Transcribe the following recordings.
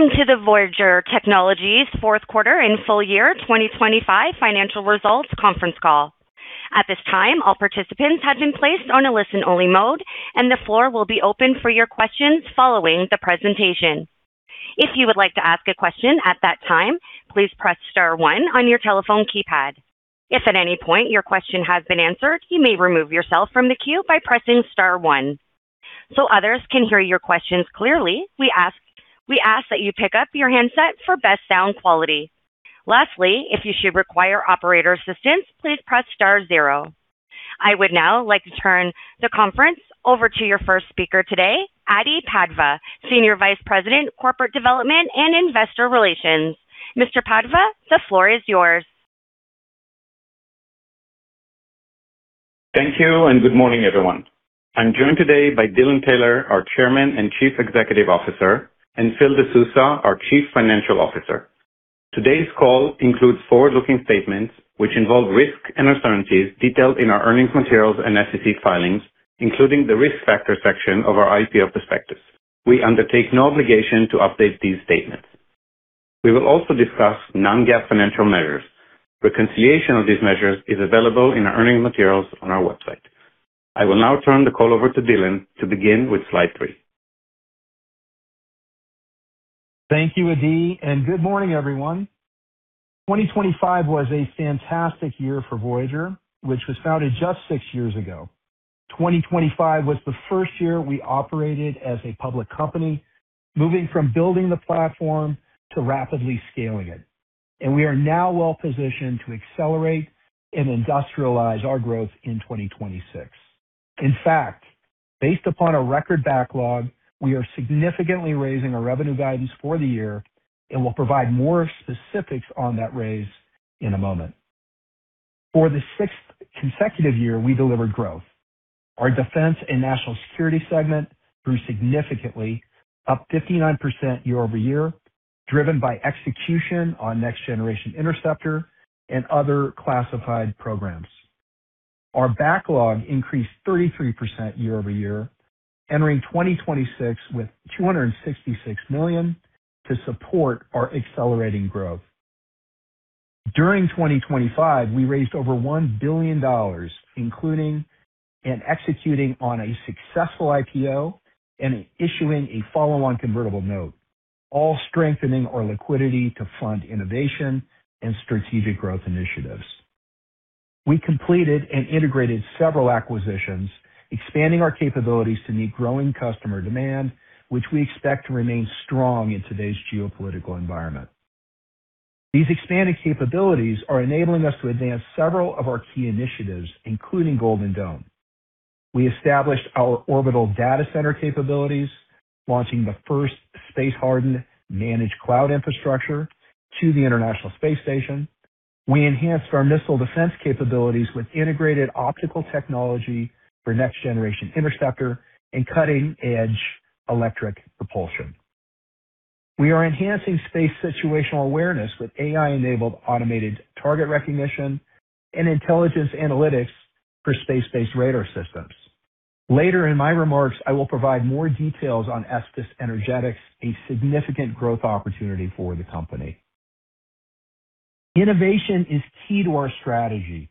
Welcome to the Voyager Technologies Fourth Quarter and Full Year 2025 Financial Results Conference Call. At this time, all participants have been placed on a listen-only mode, and the floor will be open for your questions following the presentation. If you would like to ask a question at that time, please press star one on your telephone keypad. If at any point your question has been answered, you may remove yourself from the queue by pressing star one. Others can hear your questions clearly, we ask that you pick up your handset for best sound quality. Lastly, if you should require operator assistance, please press star zero. I would now like to turn the conference over to your first speaker today, Adi Padva, Senior Vice President, Corporate Development and Investor Relations. Mr. Padva, the floor is yours. Thank you, and good morning, everyone. I'm joined today by Dylan Taylor, our Chairman and Chief Executive Officer, and Phil De Sousa, our Chief Financial Officer. Today's call includes forward-looking statements, which involve risks and uncertainties detailed in our earnings materials and SEC filings, including the Risk Factor section of our IPO prospectus. We undertake no obligation to update these statements. We will also discuss non-GAAP financial measures. Reconciliation of these measures is available in our earnings materials on our website. I will now turn the call over to Dylan to begin with slide three. Thank you, Adi Padva, and good morning, everyone. 2025 was a fantastic year for Voyager, which was founded just six years ago. 2025 was the first year we operated as a public company, moving from building the platform to rapidly scaling it. We are now well-positioned to accelerate and industrialize our growth in 2026. In fact, based upon a record backlog, we are significantly raising our revenue guidance for the year and will provide more specifics on that raise in a moment. For the sixth consecutive year, we delivered growth. Our defense and national security segment grew significantly, up 59% year-over-year, driven by execution on Next Generation Interceptor and other classified programs. Our backlog increased 33% year-over-year, entering 2026 with $266 million to support our accelerating growth. During 2025, we raised over $1 billion, including and executing on a successful IPO and issuing a follow-on convertible note, all strengthening our liquidity to fund innovation and strategic growth initiatives. We completed and integrated several acquisitions, expanding our capabilities to meet growing customer demand, which we expect to remain strong in today's geopolitical environment. These expanded capabilities are enabling us to advance several of our key initiatives, including Golden Dome. We established our orbital data center capabilities, launching the first space-hardened managed cloud infrastructure to the International Space Station. We enhanced our missile defense capabilities with integrated optical technology for Next Generation Interceptor and cutting-edge electric propulsion. We are enhancing space situational awareness with AI-enabled automated target recognition and intelligence analytics for space-based radar systems. Later in my remarks, I will provide more details on Estes Energetics, a significant growth opportunity for the company. Innovation is key to our strategy.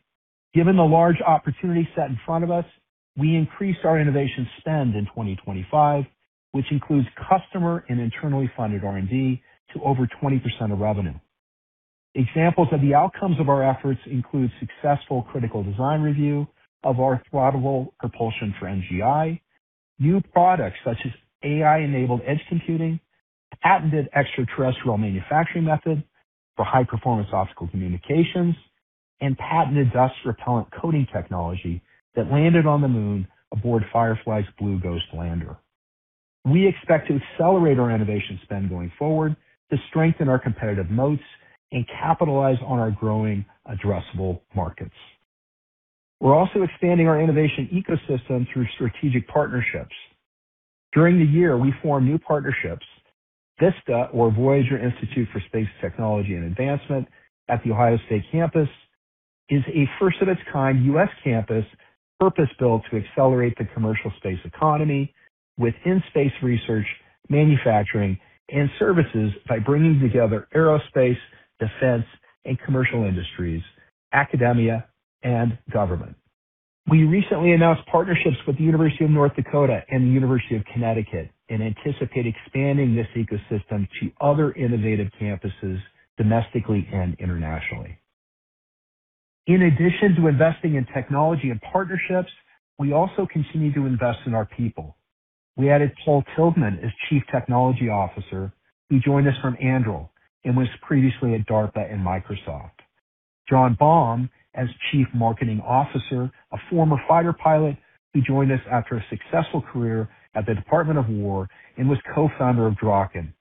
Given the large opportunity set in front of us, we increased our innovation spend in 2025, which includes customer and internally funded R&D to over 20% of revenue. Examples of the outcomes of our efforts include successful critical design review of our throttle propulsion for NGI, new products such as AI-enabled edge computing, patented extraterrestrial manufacturing method for high-performance optical communications, and patented dust repellent coating technology that landed on the moon aboard Firefly's Blue Ghost lander. We expect to accelerate our innovation spend going forward to strengthen our competitive moats and capitalize on our growing addressable markets. We're also expanding our innovation ecosystem through strategic partnerships. During the year, we formed new partnerships. VISTA or Voyager Institute for Space, Technology and Advancement at The Ohio State University is a first of its kind U.S. campus purpose-built to accelerate the commercial space economy with in-space research, manufacturing, and services by bringing together aerospace, defense, and commercial industries, academia, and government. We recently announced partnerships with the University of North Dakota and the University of Connecticut and anticipate expanding this ecosystem to other innovative campuses domestically and internationally. In addition to investing in technology and partnerships, we also continue to invest in our people. We added Paul Tilghman as Chief Technology Officer, who joined us from Anduril and was previously at DARPA and Microsoft. John Baum as Chief Marketing Officer, a former fighter pilot who joined us after a successful career at the Department of War and was co-founder of Draken.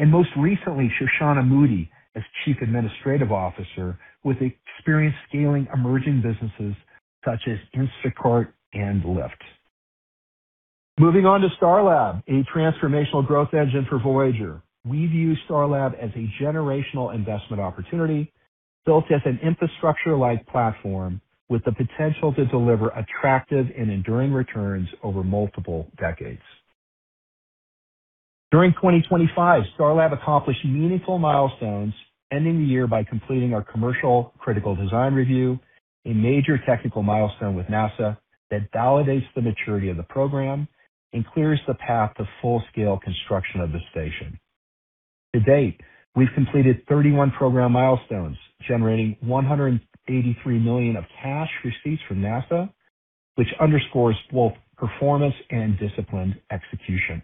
Most recently, Shoshanna Moody as Chief Administrative Officer with experience scaling emerging businesses such as Instacart and Lyft. Moving on to Starlab, a transformational growth engine for Voyager. We view Starlab as a generational investment opportunity. Built as an infrastructure-like platform with the potential to deliver attractive and enduring returns over multiple decades. During 2025, Starlab accomplished meaningful milestones, ending the year by completing our commercial critical design review, a major technical milestone with NASA that validates the maturity of the program and clears the path to full-scale construction of the station. To date, we've completed 31 program milestones, generating $183 million of cash receipts from NASA, which underscores both performance and disciplined execution.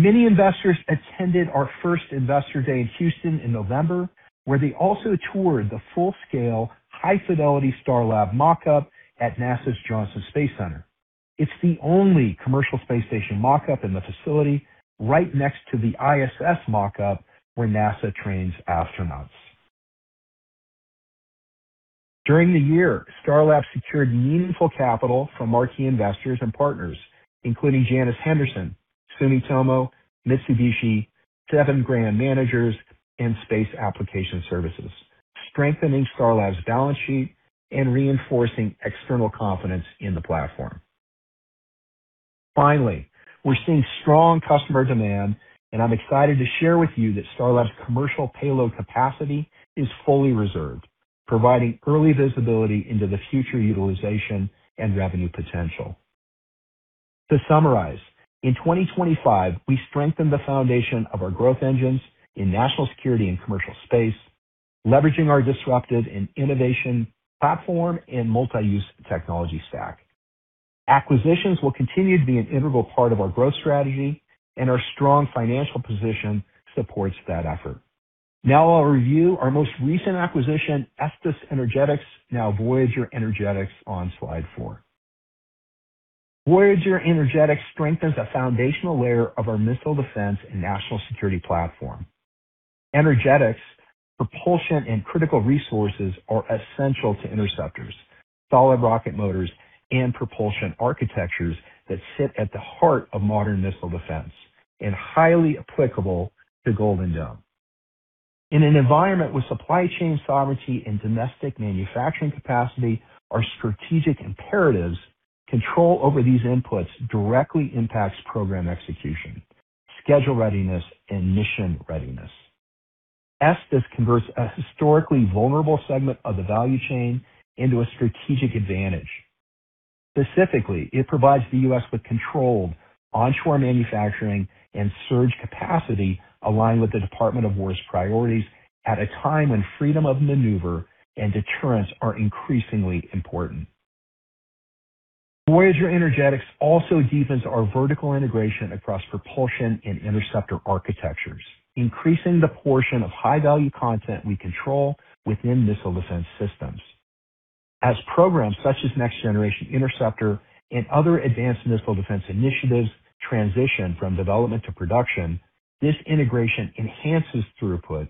Many investors attended our first Investor Day in Houston in November, where they also toured the full-scale high fidelity Starlab mock-up at NASA's Johnson Space Center. It's the only commercial Space Station mock-up in the facility right next to the ISS mock-up, where NASA trains astronauts. During the year, Starlab secured meaningful capital from marquee investors and partners, including Janus Henderson, Sumitomo, Mitsubishi, sovereign fund managers, and Space Applications Services, strengthening Starlab's balance sheet and reinforcing external confidence in the platform. Finally, we're seeing strong customer demand, and I'm excited to share with you that Starlab's commercial payload capacity is fully reserved, providing early visibility into the future utilization and revenue potential. To summarize, in 2025, we strengthened the foundation of our growth engines in national security and commercial space, leveraging our disruptive and innovative platform and multi-use technology stack. Acquisitions will continue to be an integral part of our growth strategy, and our strong financial position supports that effort. Now I'll review our most recent acquisition, Estes Energetics, now Voyager Energetics, on slide four. Voyager Energetics strengthens a foundational layer of our missile defense and national security platform. Energetics, propulsion, and critical resources are essential to interceptors, solid rocket motors, and propulsion architectures that sit at the heart of modern missile defense and highly applicable to Golden Dome. In an environment where supply chain sovereignty and domestic manufacturing capacity are strategic imperatives, control over these inputs directly impacts program execution, schedule readiness, and mission readiness. Estes converts a historically vulnerable segment of the value chain into a strategic advantage. Specifically, it provides the U.S. with controlled onshore manufacturing and surge capacity aligned with the Department of War's priorities at a time when freedom of maneuver and deterrence are increasingly important. Voyager Energetics also deepens our vertical integration across propulsion and interceptor architectures, increasing the portion of high-value content we control within missile defense systems. As programs such as Next Generation Interceptor and other advanced missile defense initiatives transition from development to production, this integration enhances throughput,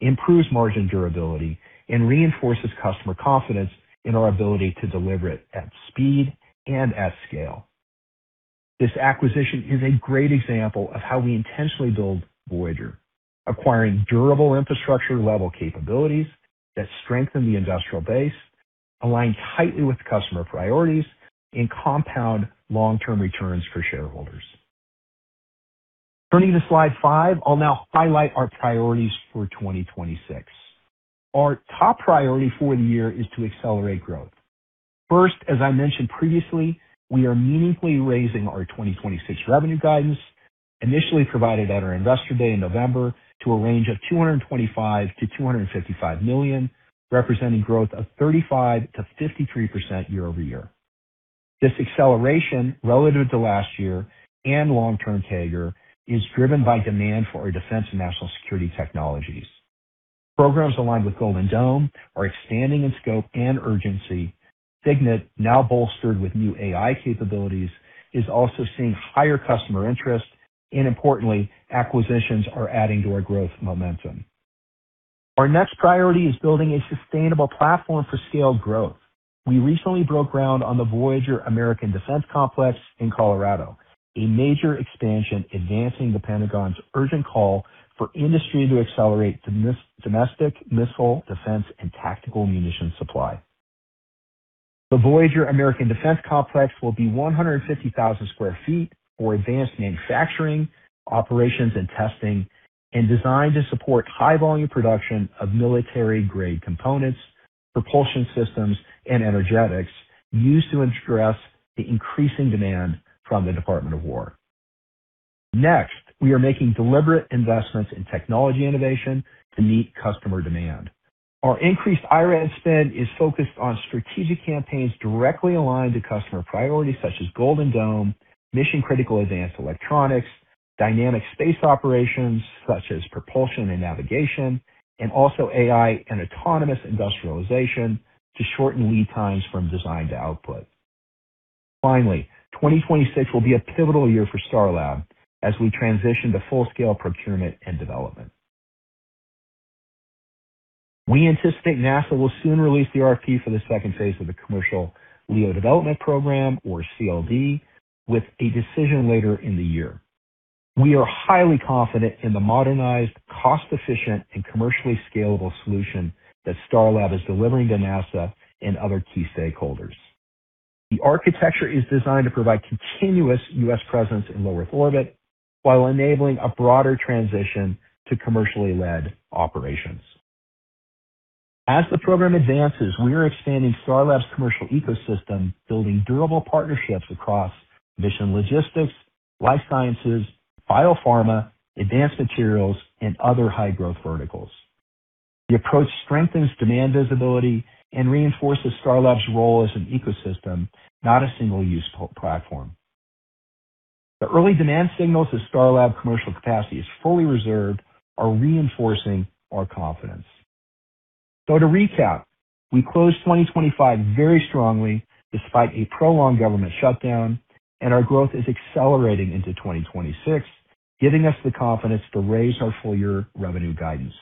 improves margin durability, and reinforces customer confidence in our ability to deliver it at speed and at scale. This acquisition is a great example of how we intentionally build Voyager, acquiring durable infrastructure-level capabilities that strengthen the industrial base, align tightly with customer priorities, and compound long-term returns for shareholders. Turning to slide five, I'll now highlight our priorities for 2026. Our top priority for the year is to accelerate growth. First, as I mentioned previously, we are meaningfully raising our 2026 revenue guidance, initially provided at our Investor Day in November to a range of $225 million-$255 million, representing growth of 35%-53% year-over-year. This acceleration relative to last year and long-term CAGR is driven by demand for our defense and national security technologies. Programs aligned with Golden Dome are expanding in scope and urgency. SIGINT, now bolstered with new AI capabilities, is also seeing higher customer interest, and importantly, acquisitions are adding to our growth momentum. Our next priority is building a sustainable platform for scaled growth. We recently broke ground on the Voyager American Defense Complex in Colorado, a major expansion advancing the Pentagon's urgent call for industry to accelerate domestic missile defense and tactical munition supply. The Voyager American Defense Complex will be 150,000 sq ft for advanced manufacturing, operations and testing, and designed to support high volume production of military-grade components, propulsion systems, and energetics used to address the increasing demand from the Department of War. Next, we are making deliberate investments in technology innovation to meet customer demand. Our increased IRAD spend is focused on strategic campaigns directly aligned to customer priorities such as Golden Dome, mission critical advanced electronics, dynamic space operations such as propulsion and navigation, and also AI and autonomous industrialization to shorten lead times from design to output. Finally, 2026 will be a pivotal year for Starlab as we transition to full scale procurement and development. We anticipate NASA will soon release the RFP for the second phase of the Commercial LEO Development Program, or CLD, with a decision later in the year. We are highly confident in the modernized, cost-efficient, and commercially scalable solution that Starlab is delivering to NASA and other key stakeholders. The architecture is designed to provide continuous U.S. presence in low-Earth orbit while enabling a broader transition to commercially led operations. As the program advances, we are expanding Starlab's commercial ecosystem, building durable partnerships across mission logistics, life sciences, biopharma, advanced materials, and other high-growth verticals. The approach strengthens demand visibility and reinforces Starlab's role as an ecosystem, not a single-use platform. The early demand signals as Starlab commercial capacity is fully reserved are reinforcing our confidence. To recap, we closed 2025 very strongly despite a prolonged government shutdown, and our growth is accelerating into 2026, giving us the confidence to raise our full-year revenue guidance.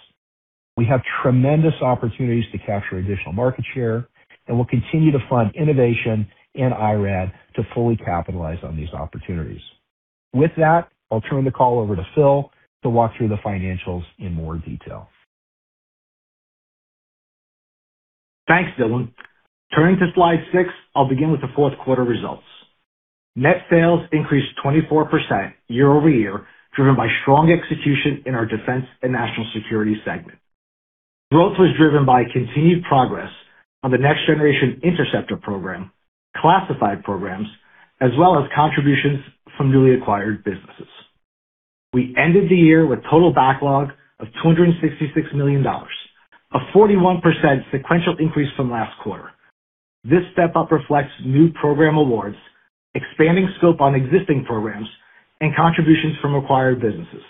We have tremendous opportunities to capture additional market share, and we'll continue to fund innovation and IRAD to fully capitalize on these opportunities. With that, I'll turn the call over to Phil to walk through the financials in more detail. Thanks, Dylan. Turning to slide six, I'll begin with the fourth quarter results. Net sales increased 24% year over year, driven by strong execution in our defense and national security segment. Growth was driven by continued progress on the Next Generation Interceptor program, classified programs, as well as contributions from newly acquired businesses. We ended the year with total backlog of $266 million, a 41% sequential increase from last quarter. This step-up reflects new program awards, expanding scope on existing programs, and contributions from acquired businesses,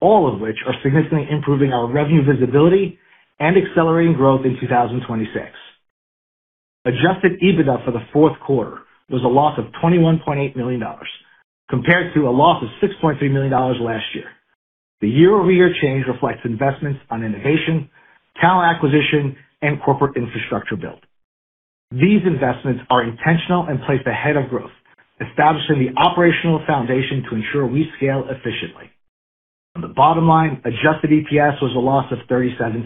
all of which are significantly improving our revenue visibility and accelerating growth in 2026. Adjusted EBITDA for the fourth quarter was a loss of $21.8 million, compared to a loss of $6.3 million last year. The year-over-year change reflects investments on innovation, talent acquisition, and corporate infrastructure build. These investments are intentional and place the head of growth, establishing the operational foundation to ensure we scale efficiently. On the bottom line, adjusted EPS was a loss of $0.37.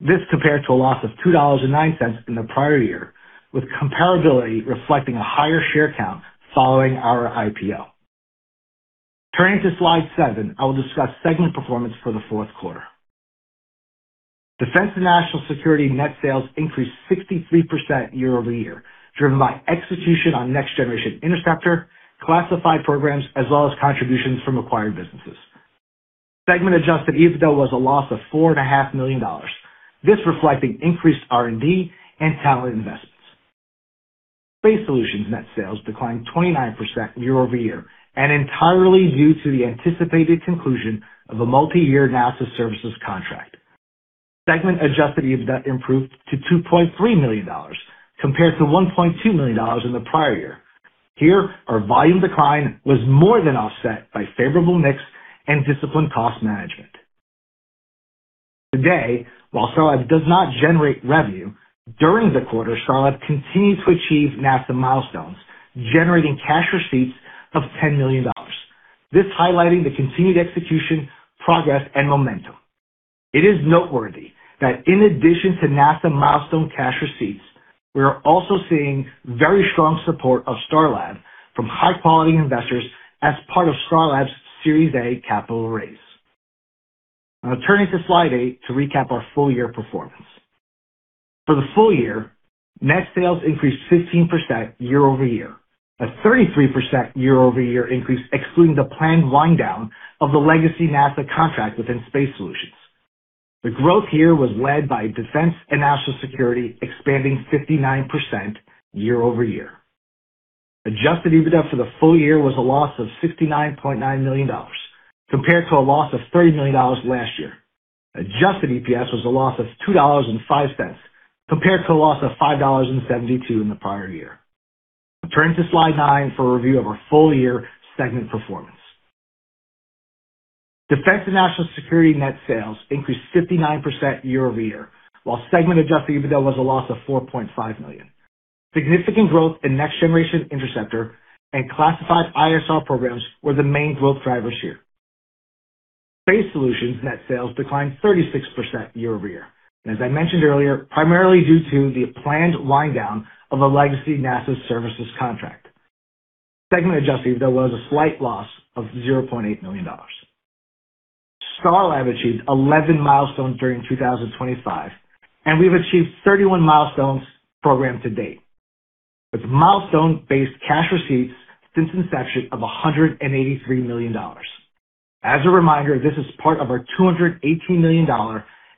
This compared to a loss of $2.09 in the prior year, with comparability reflecting a higher share count following our IPO. Turning to slide seven, I will discuss segment performance for the fourth quarter. Defense and National Security net sales increased 63% year-over-year, driven by execution on Next Generation Interceptor classified programs as well as contributions from acquired businesses. Segment adjusted EBITDA was a loss of $4.5 million. This, reflecting increased R&D and talent investments. Space Solutions net sales declined 29% year-over-year and entirely due to the anticipated conclusion of a multi-year NASA services contract. Segment adjusted EBITDA improved to $2.3 million compared to $1.2 million in the prior year. Here, our volume decline was more than offset by favorable mix and disciplined cost management. Today, while Starlab does not generate revenue during the quarter, Starlab continued to achieve NASA milestones, generating cash receipts of $10 million. This highlighting the continued execution, progress, and momentum. It is noteworthy that in addition to NASA milestone cash receipts, we are also seeing very strong support of Starlab from high-quality investors as part of Starlab's Series A capital raise. I'll turn to slide eight to recap our full year performance. For the full year, net sales increased 15% year-over-year. A 33% year-over-year increase, excluding the planned wind down of the legacy NASA contract within Space Solutions. The growth here was led by Defense and National Security, expanding 59% year-over-year. Adjusted EBITDA for the full year was a loss of $69.9 million, compared to a loss of $30 million last year. Adjusted EPS was a loss of $2.05, compared to a loss of $5.72 in the prior year. Turning to slide nine for a review of our full year segment performance. Defense and National Security net sales increased 59% year-over-year, while segment adjusted EBITDA was a loss of $4.5 million. Significant growth in Next Generation Interceptor and classified ISR programs were the main growth drivers here. Space Solutions net sales declined 36% year-over-year. As I mentioned earlier, primarily due to the planned wind down of a legacy NASA services contract. Segment adjusted EBITDA was a slight loss of $0.8 million. Starlab achieved 11 milestones during 2025, and we've achieved 31 milestones programmed to date, with milestone-based cash receipts since inception of $183 million. As a reminder, this is part of our $218 million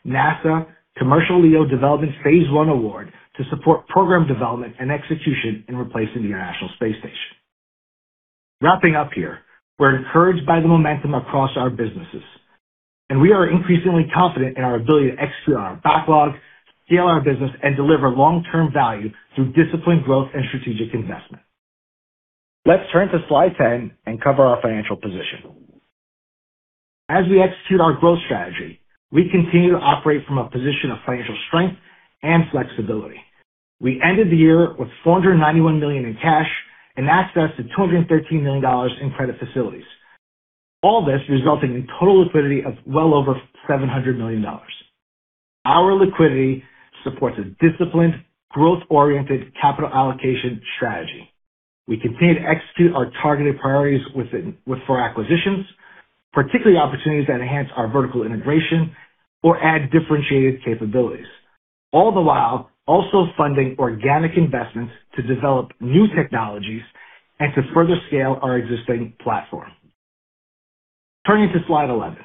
NASA Commercial LEO Development Phase 1 award to support program development and execution in replacing the International Space Station. Wrapping up here, we're encouraged by the momentum across our businesses, and we are increasingly confident in our ability to execute on our backlog, scale our business, and deliver long-term value through disciplined growth and strategic investment. Let's turn to slide 10 and cover our financial position. As we execute our growth strategy, we continue to operate from a position of financial strength and flexibility. We ended the year with $491 million in cash and access to $213 million in credit facilities. All this resulting in total liquidity of well over $700 million. Our liquidity supports a disciplined, growth-oriented capital allocation strategy. We continue to execute our targeted priorities with four acquisitions, particularly opportunities that enhance our vertical integration or add differentiated capabilities, all the while also funding organic investments to develop new technologies and to further scale our existing platform. Turning to slide 11.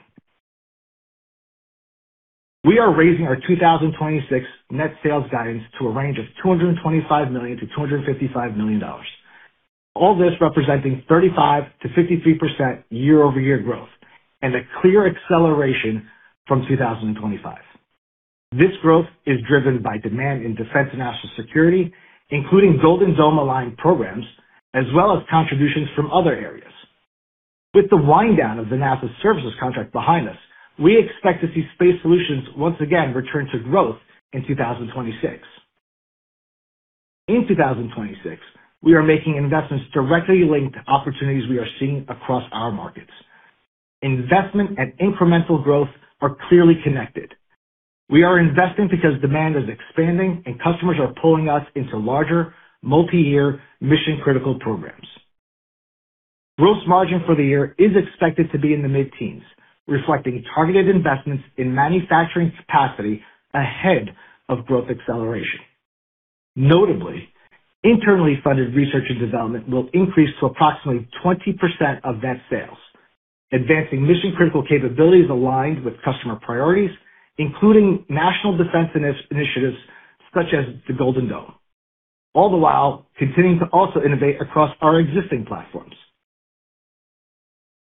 We are raising our 2026 net sales guidance to a range of $225 million-$255 million. All this representing 35%-53% year-over-year growth and a clear acceleration from 2025. This growth is driven by demand in defense and national security, including Golden Dome aligned programs, as well as contributions from other areas. With the wind down of the NASA services contract behind us, we expect to see Space Solutions once again return to growth in 2026. In 2026, we are making investments directly linked to opportunities we are seeing across our markets. Investment and incremental growth are clearly connected. We are investing because demand is expanding and customers are pulling us into larger, multi-year mission critical programs. Gross margin for the year is expected to be in the mid-teens, reflecting targeted investments in manufacturing capacity ahead of growth acceleration. Notably, internally funded research and development will increase to approximately 20% of net sales, advancing mission critical capabilities aligned with customer priorities, including national defense initiatives such as the Golden Dome, all the while continuing to also innovate across our existing platforms.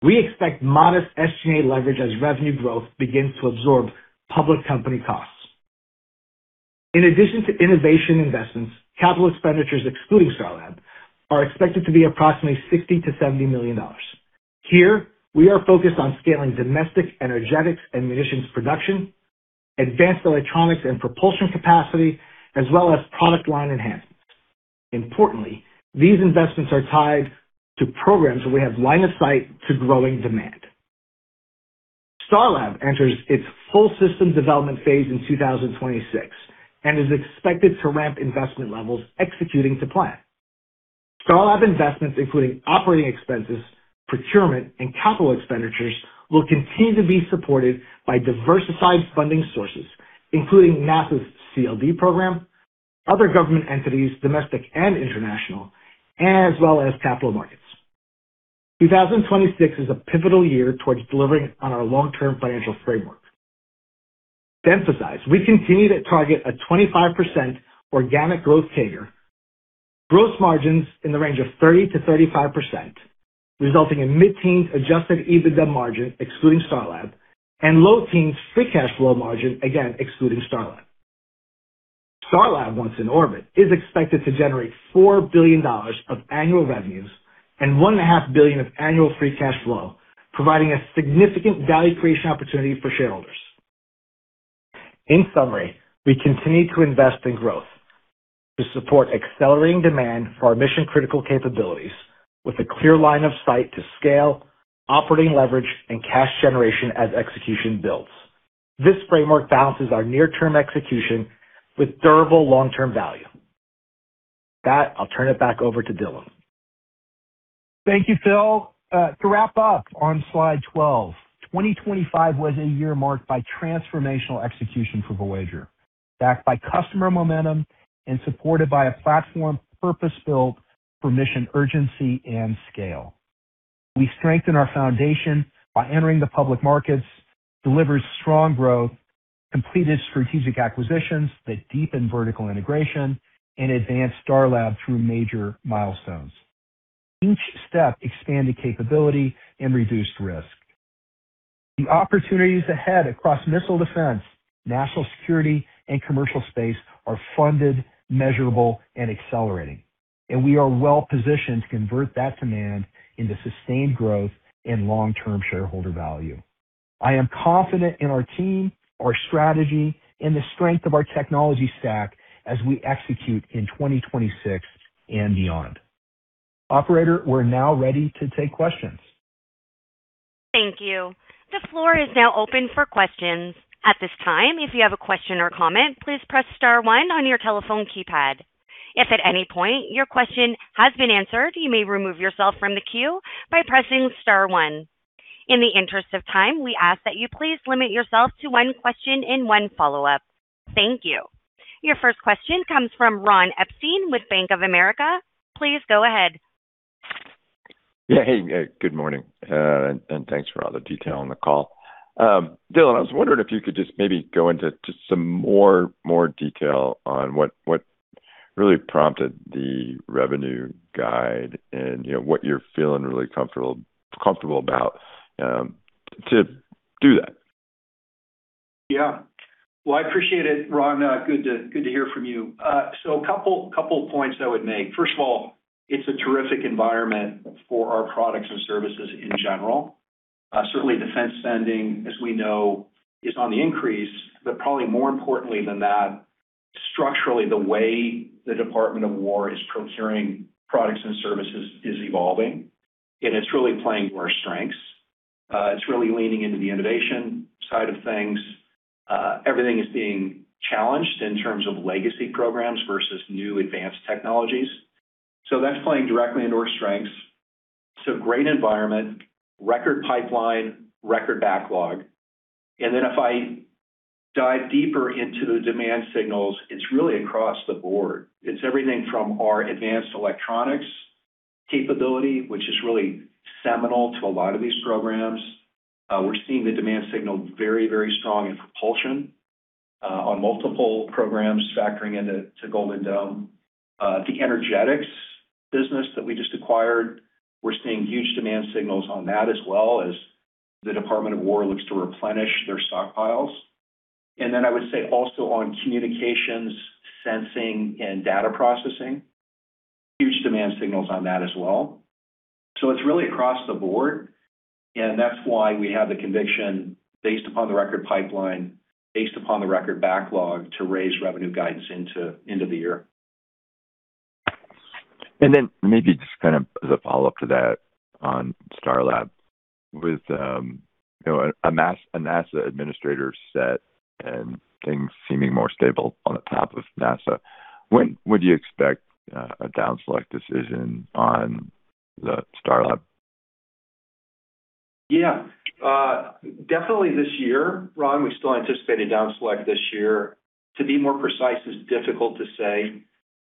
We expect modest SG&A leverage as revenue growth begins to absorb public company costs. In addition to innovation investments, capital expenditures excluding Starlab are expected to be approximately $60 million-$70 million. Here we are focused on scaling domestic energetics and munitions production, advanced electronics and propulsion capacity, as well as product line enhancements. Importantly, these investments are tied to programs where we have line of sight to growing demand. Starlab enters its full system development phase in 2026 and is expected to ramp investment levels executing to plan. Starlab investments, including operating expenses, procurement, and capital expenditures, will continue to be supported by diversified funding sources, including NASA's CLD program, other government entities, domestic and international, as well as capital markets. 2026 is a pivotal year towards delivering on our long-term financial framework. To emphasize, we continue to target a 25% organic growth CAGR. Gross margins in the range of 30%-35%, resulting in mid-teen adjusted EBITDA margin, excluding Starlab, and low-teen free cash flow margin, again excluding Starlab. Starlab, once in orbit, is expected to generate $4 billion of annual revenues and $1.5 billion of annual free cash flow, providing a significant value creation opportunity for shareholders. In summary, we continue to invest in growth to support accelerating demand for our mission critical capabilities with a clear line of sight to scale, operating leverage and cash generation as execution builds. This framework balances our near term execution with durable long term value. With that, I'll turn it back over to Dylan. Thank you, Phil. To wrap up on slide 12. 2025 was a year marked by transformational execution for Voyager, backed by customer momentum and supported by a platform purpose-built for mission urgency and scale. We strengthened our foundation by entering the public markets, delivered strong growth, completed strategic acquisitions that deepened vertical integration, and advanced Starlab through major milestones. Each step expanded capability and reduced risk. The opportunities ahead across missile defense, national security, and commercial space are funded, measurable, and accelerating, and we are well positioned to convert that demand into sustained growth and long-term shareholder value. I am confident in our team, our strategy, and the strength of our technology stack as we execute in 2026 and beyond. Operator, we're now ready to take questions. Thank you. The floor is now open for questions. At this time, if you have a question or comment, please press star one on your telephone keypad. If at any point your question has been answered, you may remove yourself from the queue by pressing star one. In the interest of time, we ask that you please limit yourself to one question and one follow-up. Thank you. Your first question comes from Ron Epstein with Bank of America. Please go ahead. Yeah. Hey, good morning, and thanks for all the detail on the call. Dylan, I was wondering if you could just maybe go into just some more detail on what really prompted the revenue guide and, you know, what you're feeling really comfortable about to do that. Yeah. Well, I appreciate it, Ron. Good to hear from you. A couple points I would make. First of all, it's a terrific environment for our products and services in general. Certainly defense spending, as we know, is on the increase, but probably more importantly than that, structurally, the way the Department of War is procuring products and services is evolving, and it's really playing to our strengths. It's really leaning into the innovation side of things. Everything is being challenged in terms of legacy programs versus new advanced technologies. That's playing directly into our strengths. Great environment, record pipeline, record backlog. Then if I dive deeper into the demand signals, it's really across the board. It's everything from our advanced electronics capability, which is really seminal to a lot of these programs. We're seeing the demand signal very, very strong in propulsion, on multiple programs factoring into Golden Dome. The Energetics business that we just acquired, we're seeing huge demand signals on that as well as the Department of War looks to replenish their stockpiles. I would say also on communications, sensing, and data processing, huge demand signals on that as well. It's really across the board, and that's why we have the conviction based upon the record pipeline, based upon the record backlog to raise revenue guidance into end of the year. Maybe just kind of as a follow-up to that on Starlab. With a NASA administrator set and things seeming more stable at the top of NASA, when would you expect a downselect decision on Starlab? Yeah. Definitely this year, Ron. We still anticipate a downselect this year. To be more precise, it's difficult to say.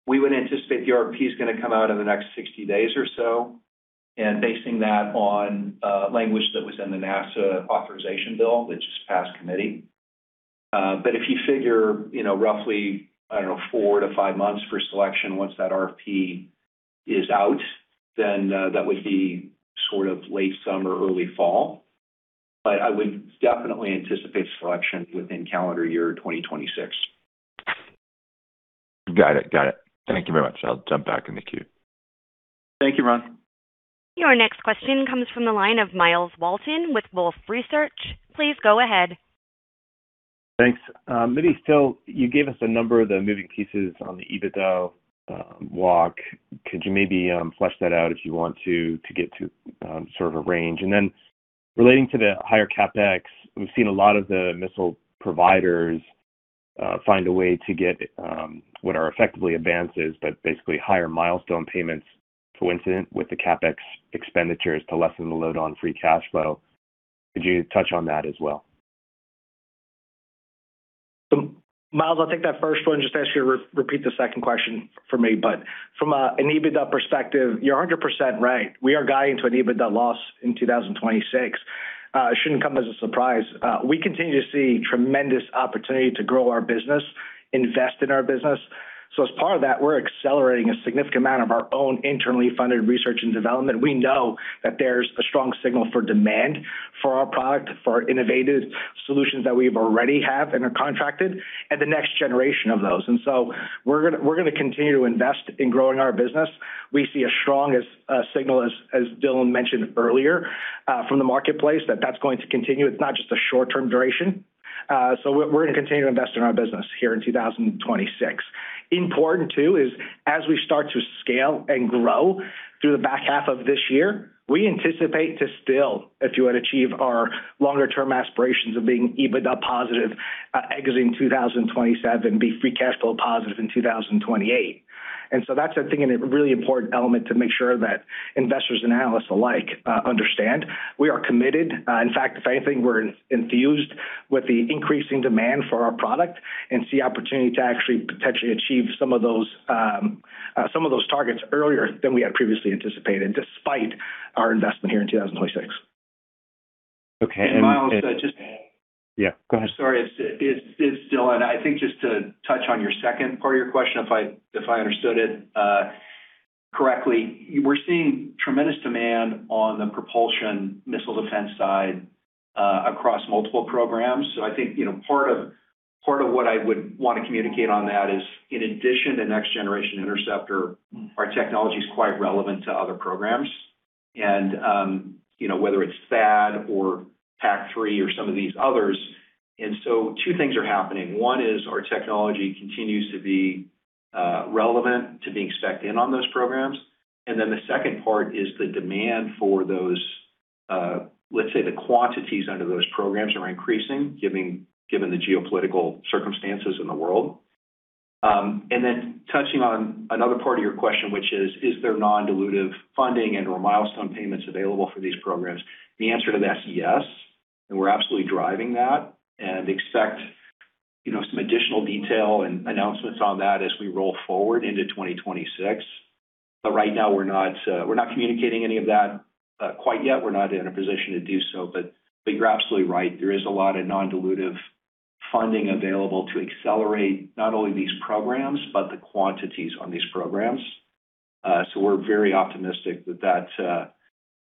We would anticipate the RFP is gonna come out in the next 60 days or so, and basing that on language that was in the NASA Authorization Act, which has passed committee. If you figure, you know, roughly, I don't know, four-five months for selection once that RFP is out, then that would be sort of late summer, early fall. I would definitely anticipate selection within calendar year 2026. Got it. Thank you very much. I'll jump back in the queue. Thank you, Ron. Your next question comes from the line of Myles Walton with Wolfe Research. Please go ahead. Thanks. Maybe still, you gave us a number of the moving pieces on the EBITDA walk. Could you maybe flesh that out if you want to get to sort of a range? Relating to the higher CapEx, we've seen a lot of the missile providers find a way to get what are effectively advances, but basically higher milestone payments coincident with the CapEx expenditures to lessen the load on free cash flow. Could you touch on that as well? Myles, I'll take that first one. Just ask you to repeat the second question for me. From an EBITDA perspective, you're 100% right. We are guiding to an EBITDA loss in 2026. It shouldn't come as a surprise. We continue to see tremendous opportunity to grow our business, invest in our business. As part of that, we're accelerating a significant amount of our own internally funded research and development. We know that there's a strong signal for demand for our product, for innovative solutions that we already have and are contracted, and the next generation of those. We're gonna continue to invest in growing our business. We see as strong a signal as Dylan mentioned earlier from the marketplace that that's going to continue. It's not just a short-term duration. We're gonna continue to invest in our business here in 2026. Important too is as we start to scale and grow through the back half of this year, we anticipate to still, if you would achieve our longer term aspirations of being EBITDA positive, exiting 2027, be free cash flow positive in 2028. That's, I think, a really important element to make sure that investors and analysts alike understand. We are committed. In fact, if anything, we're enthused with the increasing demand for our product and see opportunity to actually potentially achieve some of those targets earlier than we had previously anticipated, despite our investment here in 2026. Okay. Myles, Yeah, go ahead. Sorry. It's Dylan. I think just to touch on your second part of your question, if I understood it correctly, we're seeing tremendous demand on the propulsion missile defense side, across multiple programs. I think, you know, part of what I would want to communicate on that is in addition to Next Generation Interceptor, our technology is quite relevant to other programs. You know, whether it's THAAD or PAC-3 or some of these others. Two things are happening. One is our technology continues to be relevant to being spec'd in on those programs. Then the second part is the demand for those, let's say the quantities under those programs are increasing, given the geopolitical circumstances in the world. Touching on another part of your question, which is there non-dilutive funding and/or milestone payments available for these programs? The answer to that is yes. We're absolutely driving that and expect, you know, some additional detail and announcements on that as we roll forward into 2026. Right now we're not communicating any of that quite yet. We're not in a position to do so, but you're absolutely right. There is a lot of non-dilutive funding available to accelerate not only these programs, but the quantities on these programs. We're very optimistic that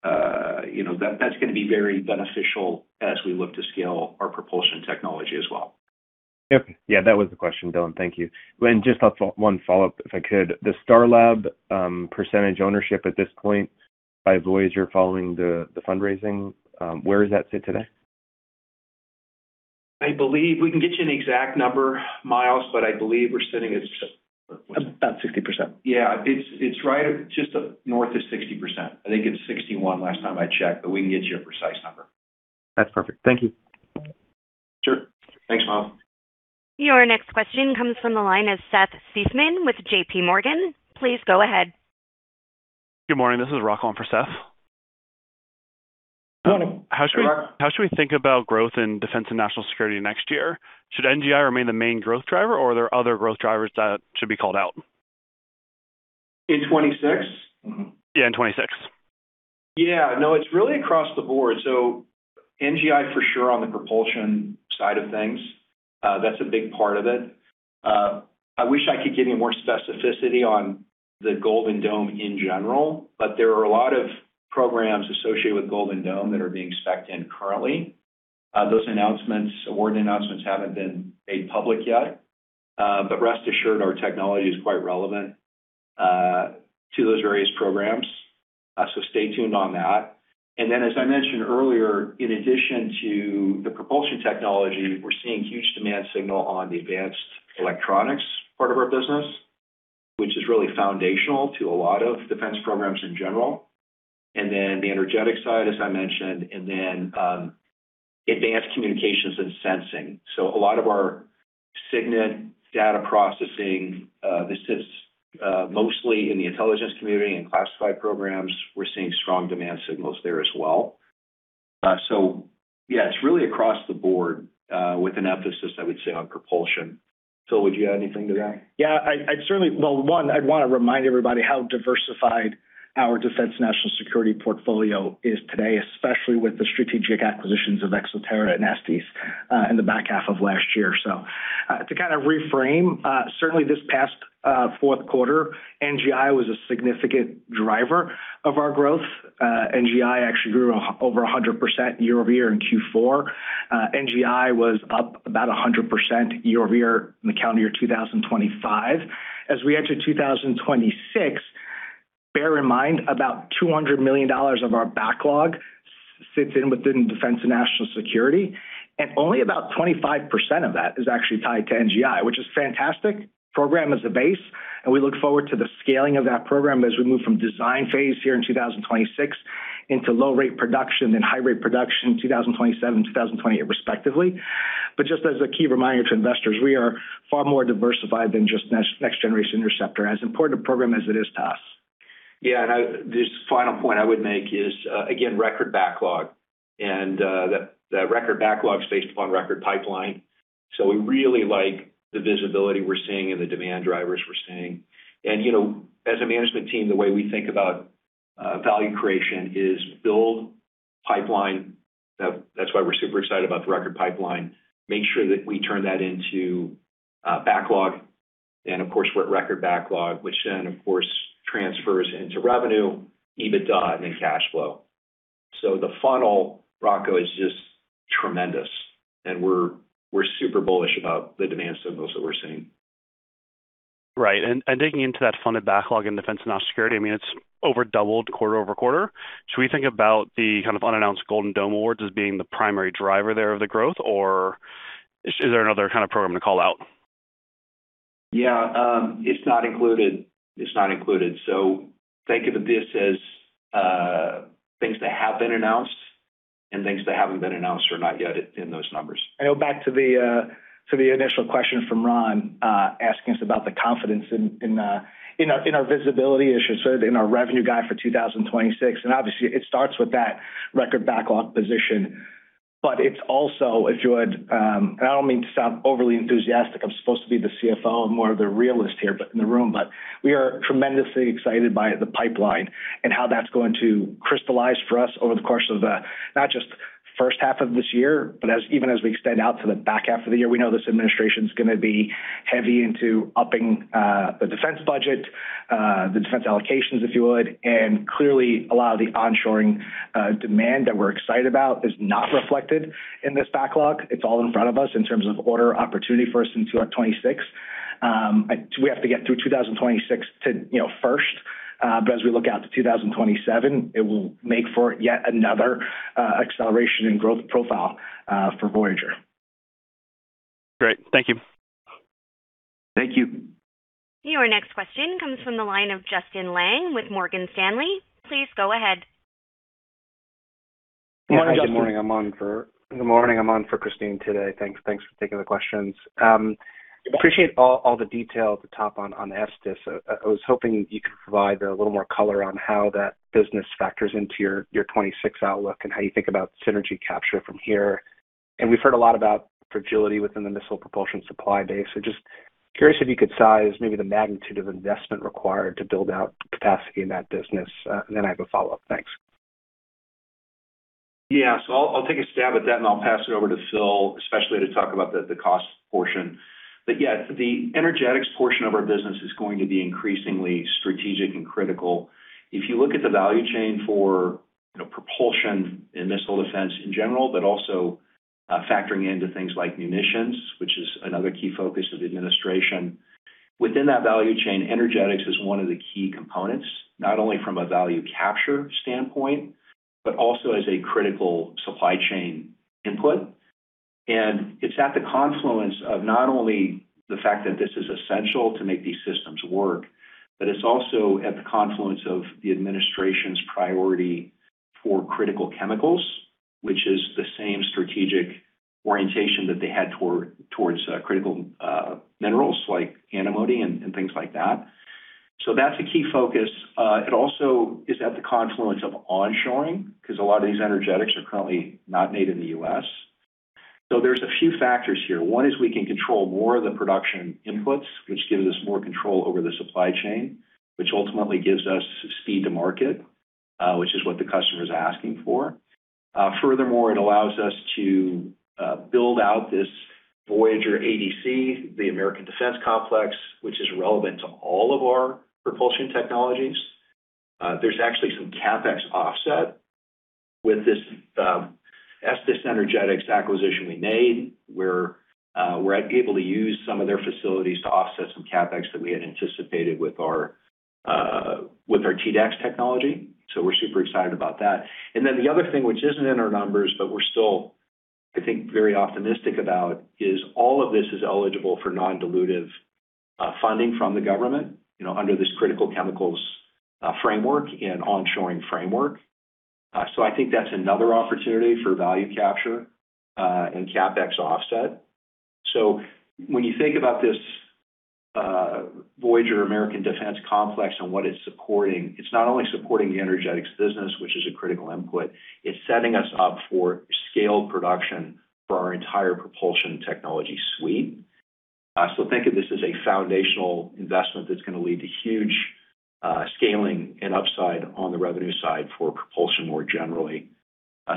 that's gonna be very beneficial as we look to scale our propulsion technology as well. Yep. Yeah, that was the question, Dylan. Thank you. Just one follow-up, if I could. The Starlab percentage ownership at this point by Voyager following the fundraising, where does that sit today? I believe we can get you an exact number, Myles, but I believe we're sitting at. About 60%. Yeah, it's right just up north of 60%. I think it's 61 last time I checked, but we can get you a precise number. That's perfect. Thank you. Sure. Thanks, Myles. Your next question comes from the line of Seth Seifman with JPMorgan. Please go ahead. Good morning. This is Rocco in for Seth. Good morning, Rocco. How should we think about growth in defense and national security next year? Should NGI remain the main growth driver, or are there other growth drivers that should be called out? In 2026? Yeah, in 2026. Yeah. No, it's really across the board. NGI for sure on the propulsion side of things, that's a big part of it. I wish I could give you more specificity on the Golden Dome in general, but there are a lot of programs associated with Golden Dome that are being specced in currently. Those announcements, award announcements haven't been made public yet. Rest assured our technology is quite relevant to those various programs, so stay tuned on that. As I mentioned earlier, in addition to the propulsion technology, we're seeing huge demand signal on the advanced electronics part of our business, which is really foundational to a lot of defense programs in general. The energetic side, as I mentioned, advanced communications and sensing. A lot of our SIGINT data processing, this sits mostly in the intelligence community and classified programs. We're seeing strong demand signals there as well. Yeah, it's really across the board with an emphasis, I would say, on propulsion. Phil, would you add anything to that? Yeah, I'd certainly. Well, one, I'd wanna remind everybody how diversified our defense national security portfolio is today, especially with the strategic acquisitions of ExoTerra and Estes in the back half of last year. To kind of reframe, certainly this past fourth quarter, NGI was a significant driver of our growth. NGI actually grew over 100% year-over-year in Q4. NGI was up about 100% year-over-year in the calendar year 2025. As we enter 2026, bear in mind about $200 million of our backlog sits within defense and national security, and only about 25% of that is actually tied to NGI, which is fantastic. Program is the base, and we look forward to the scaling of that program as we move from design phase here in 2026 into low rate production and high rate production in 2027, 2028 respectively. Just as a key reminder to investors, we are far more diversified than just Next Generation Interceptor, as important a program as it is to us. This final point I would make is, again, record backlog. That record backlog is based upon record pipeline. We really like the visibility we're seeing and the demand drivers we're seeing. You know, as a management team, the way we think about value creation is build pipeline. That's why we're super excited about the record pipeline. Make sure that we turn that into backlog and of course, with record backlog, which then of course transfers into revenue, EBITDA, and then cash flow. The funnel, Rocco, is just tremendous, and we're super bullish about the demand signals that we're seeing. Right. Digging into that funded backlog in defense and national security, I mean, it's over doubled quarter-over-quarter. Should we think about the kind of unannounced Golden Dome awards as being the primary driver thereof the growth, or is there another kind of program to call out? Yeah. It's not included. Think of this as things that have been announced and things that haven't been announced or not yet in those numbers. Go back to the initial question from Ron asking us about the confidence in our visibility, as you said, in our revenue guide for 2026. Obviously it starts with that record backlog position. It's also, if you would, and I don't mean to sound overly enthusiastic. I'm supposed to be the CFO and more of the realist here, but in the room. We are tremendously excited by the pipeline and how that's going to crystallize for us over the course of not just first half of this year, but even as we extend out to the back half of the year. We know this administration's gonna be heavy into upping the defense budget, the defense allocations, if you would. Clearly a lot of the onshoring demand that we're excited about is not reflected in this backlog. It's all in front of us in terms of order opportunity for us into our 2026. We have to get through 2026 to, you know, first, but as we look out to 2027, it will make for yet another acceleration in growth profile for Voyager. Great. Thank you. Thank you. Your next question comes from the line of Justin Lang with Morgan Stanley. Please go ahead. Morning, Justin. Good morning. I'm on for Christine today. Thanks for taking the questions. You bet. appreciate all the detail at the top on Estes. I was hoping you could provide a little more color on how that business factors into your 2026 outlook and how you think about synergy capture from here. We've heard a lot about fragility within the missile propulsion supply base. Just curious if you could size maybe the magnitude of investment required to build out capacity in that business. I have a follow-up. Thanks. Yeah. I'll take a stab at that, and I'll pass it over to Phil, especially to talk about the cost portion. Yeah, the energetics portion of our business is going to be increasingly strategic and critical. If you look at the value chain for, you know, propulsion in missile defense in general, but also factoring into things like munitions, which is another key focus of the administration. Within that value chain, energetics is one of the key components, not only from a value capture standpoint, but also as a critical supply chain input. It's at the confluence of not only the fact that this is essential to make these systems work, but it's also at the confluence of the administration's priority for critical chemicals, which is the same strategic orientation that they had toward critical minerals like antimony and things like that. That's a key focus. It also is at the confluence of onshoring, 'cause a lot of these energetics are currently not made in the U.S. There's a few factors here. One is we can control more of the production inputs, which gives us more control over the supply chain, which ultimately gives us speed to market, which is what the customer's asking for. Furthermore, it allows us to build out this Voyager ADC, the American Defense Complex, which is relevant to all of our propulsion technologies. There's actually some CapEx offset with this, Estes Energetics acquisition we made, where we're able to use some of their facilities to offset some CapEx that we had anticipated with our TDACS technology. We're super excited about that. Then the other thing, which isn't in our numbers, but we're still, I think, very optimistic about, is all of this is eligible for non-dilutive funding from the government, you know, under this critical chemicals framework and onshoring framework. I think that's another opportunity for value capture and CapEx offset. When you think about this, Voyager American Defense Complex and what it's supporting, it's not only supporting the energetics business, which is a critical input, it's setting us up for scaled production for our entire propulsion technology suite. Think of this as a foundational investment that's gonna lead to huge, scaling and upside on the revenue side for propulsion more generally.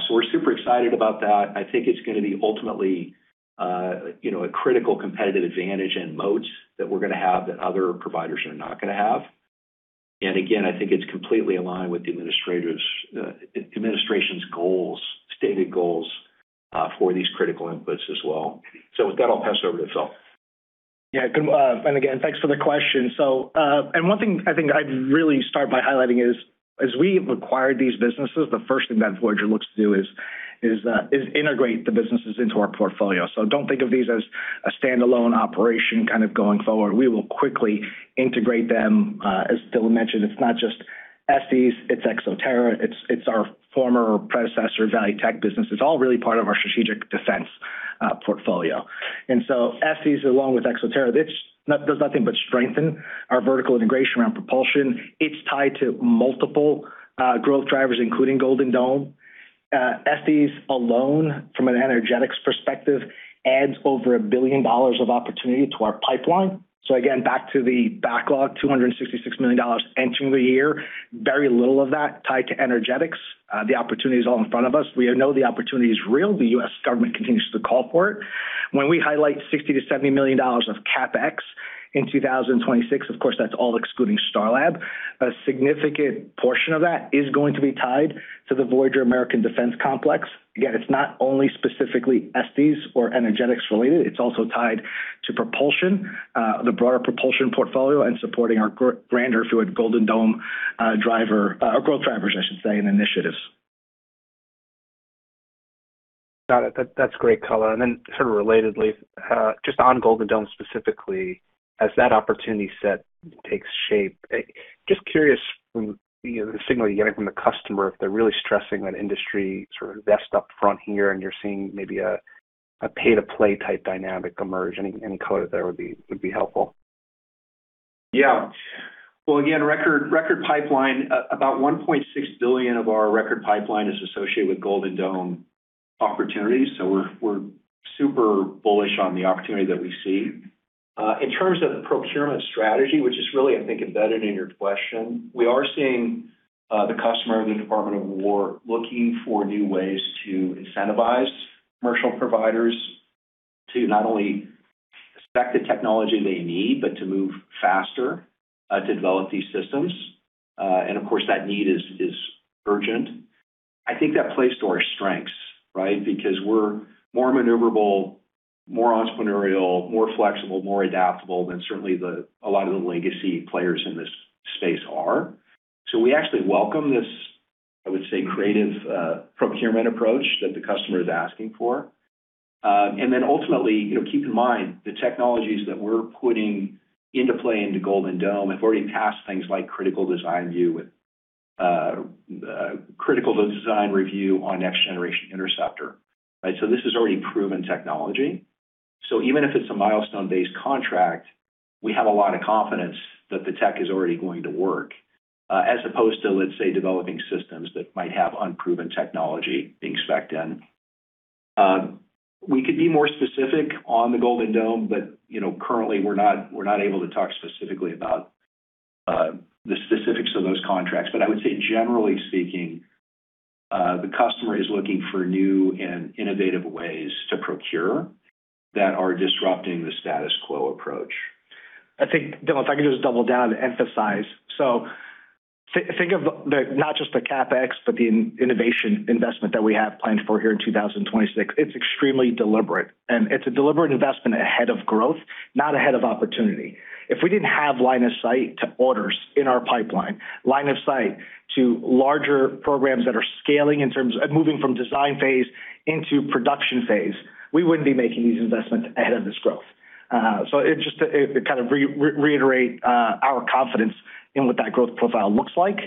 We're super excited about that. I think it's gonna be ultimately, you know, a critical competitive advantage in moats that we're gonna have that other providers are not gonna have. Again, I think it's completely aligned with the administrator's administration's goals, stated goals, for these critical inputs as well. With that, I'll pass it over to Phil. Yeah. Good. Again, thanks for the question. One thing I think I'd really start by highlighting is, as we acquire these businesses, the first thing that Voyager looks to do is integrate the businesses into our portfolio. Don't think of these as a standalone operation kind of going forward. We will quickly integrate them. As Dylan mentioned, it's not just Estes, it's ExoTerra, it's our former predecessor, Valley Tech business. It's all really part of our strategic defense portfolio. Estes, along with ExoTerra, this does nothing but strengthen our vertical integration around propulsion. It's tied to multiple growth drivers, including Golden Dome. Estes alone, from an energetics perspective, adds over $1 billion of opportunity to our pipeline. Again, back to the backlog, $266 million entering the year, very little of that tied to energetics. The opportunity is all in front of us. We know the opportunity is real. The U.S. government continues to call for it. When we highlight $60 million-$70 million of CapEx in 2026, of course, that's all excluding Starlab. A significant portion of that is going to be tied to the Voyager American Defense Complex. Again, it's not only specifically Estes or energetics related, it's also tied to propulsion, the broader propulsion portfolio and supporting our grander fluid Golden Dome driver, or growth drivers, I should say, and initiatives. Got it. That's great color. Sort of relatedly, just on Golden Dome specifically, as that opportunity set takes shape, just curious from, you know, the signal you're getting from the customer, if they're really stressing that industry sort of invest up front here and you're seeing maybe a pay-to-play type dynamic emerge. Any color there would be helpful. Yeah. Well, again, record pipeline, about $1.6 billion of our record pipeline is associated with Golden Dome opportunities. We're super bullish on the opportunity that we see. In terms of the procurement strategy, which is really, I think, embedded in your question, we are seeing the customer, the Department of War, looking for new ways to incentivize commercial providers to not only spec the technology they need, but to move faster, to develop these systems. Of course, that need is urgent. I think that plays to our strengths, right? Because we're more maneuverable, more entrepreneurial, more flexible, more adaptable than certainly a lot of the legacy players in this space are. We actually welcome this, I would say, creative procurement approach that the customer is asking for. Ultimately, you know, keep in mind the technologies that we're putting into play into Golden Dome have already passed things like critical design review on Next Generation Interceptor, right? This is already proven technology. Even if it's a milestone-based contract, we have a lot of confidence that the tech is already going to work, as opposed to, let's say, developing systems that might have unproven technology being specced in. We could be more specific on the Golden Dome, but you know, currently we're not able to talk specifically about the specifics of those contracts. I would say generally speaking, the customer is looking for new and innovative ways to procure that are disrupting the status quo approach. I think, Dylan, if I could just double down to emphasize. Think of not just the CapEx, but the innovation investment that we have planned for here in 2026. It's extremely deliberate, and it's a deliberate investment ahead of growth, not ahead of opportunity. If we didn't have line of sight to orders in our pipeline, line of sight to larger programs that are scaling in terms of moving from design phase into production phase, we wouldn't be making these investments ahead of this growth. Just to kind of reiterate our confidence in what that growth profile looks like.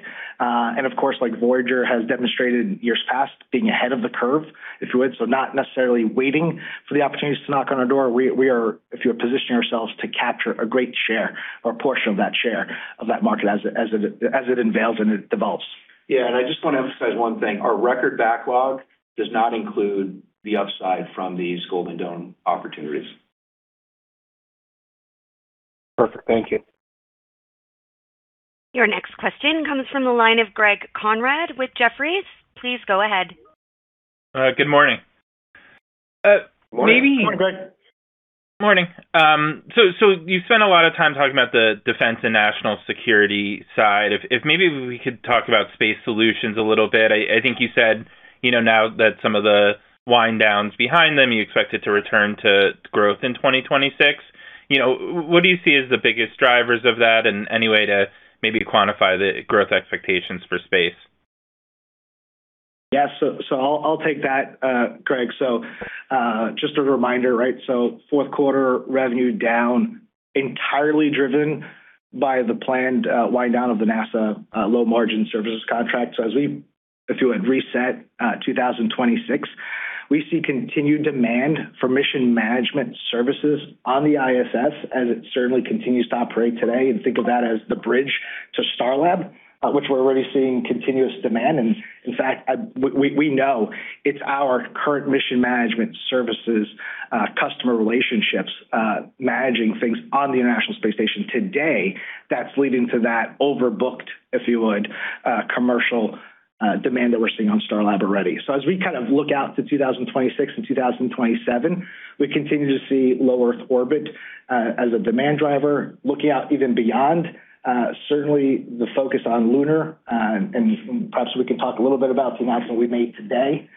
Of course, like Voyager has demonstrated in years past, being ahead of the curve, if you would. Not necessarily waiting for the opportunities to knock on our door. We are positioning ourselves to capture a great share or portion of that share of that market as it unveils and develops. Yeah. I just want to emphasize one thing. Our record backlog does not include the upside from these Golden Dome opportunities. Perfect. Thank you. Your next question comes from the line of Greg Konrad with Jefferies. Please go ahead. Good morning. Morning, Greg. Morning. You spent a lot of time talking about the defense and national security side. If maybe we could talk about Space Solutions a little bit. I think you said, you know, now that some of the wind down's behind them, you expect it to return to growth in 2026. You know, what do you see as the biggest drivers of that? Any way to maybe quantify the growth expectations for space? Yes. I'll take that, Greg. Just a reminder, right? Fourth quarter revenue down entirely driven by the planned wind down of the NASA low margin services contract. As we, if you would, reset 2026, we see continued demand for mission management services on the ISS as it certainly continues to operate today. Think of that as the bridge to Starlab, which we're already seeing continuous demand. In fact, we know it's our current mission management services customer relationships managing things on the International Space Station today that's leading to that overbooked, if you would, commercial demand that we're seeing on Starlab already. As we kind of look out to 2026 and 2027, we continue to see Low Earth Orbit as a demand driver. Looking out even beyond, certainly the focus on Lunar. Perhaps we can talk a little bit about the announcement we made today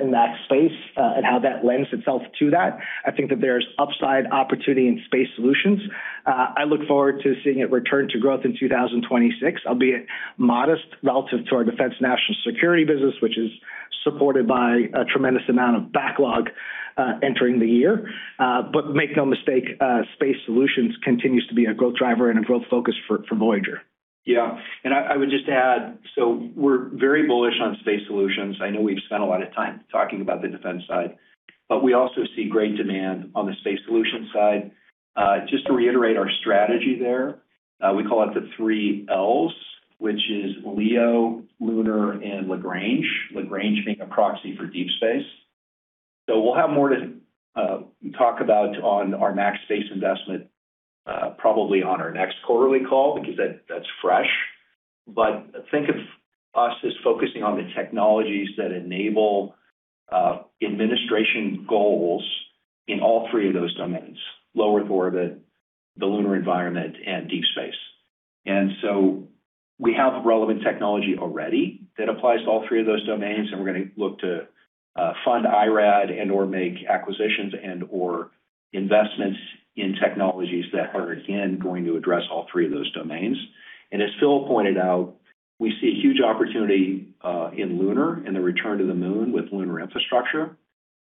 in that space and how that lends itself to that. I think that there's upside opportunity in Space Solutions. I look forward to seeing it return to growth in 2026, albeit modest relative to our defense national security business, which is supported by a tremendous amount of backlog entering the year. Make no mistake, Space Solutions continues to be a growth driver and a growth focus for Voyager. Yeah. I would just add, so we're very bullish on Space Solutions. I know we've spent a lot of time talking about the defense side, but we also see great demand on the Space Solutions side. Just to reiterate our strategy there, we call it the three L's, which is LEO, Lunar, and Lagrange. Lagrange being a proxy for deep space. We'll have more to talk about on our next space investment, probably on our next quarterly call because that's fresh. Think of us as focusing on the technologies that enable administration goals in all three of those domains: low-Earth orbit, the Lunar environment, and deep space. We have relevant technology already that applies to all three of those domains, and we're gonna look to fund IRAD and/or make acquisitions and/or investments in technologies that are again going to address all three of those domains. As Phil pointed out, we see a huge opportunity in Lunar and the return to the moon with Lunar infrastructure.